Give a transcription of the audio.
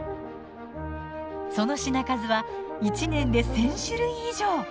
その品数は１年で１，０００種類以上。